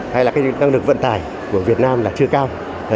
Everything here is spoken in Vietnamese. hay là cái năng lực vận tải của việt nam là chưa cao